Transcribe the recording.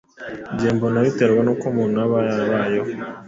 Njye mbona biterwa n’uko umuntu aba yarabayeho,